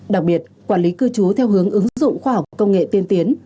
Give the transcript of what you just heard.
đặc biệt quản lý cư trú theo hướng ứng dụng khoa học công nghệ tiên tiến